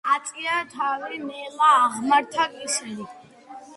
ასწია თავი, ნელა აღმართა კისერი.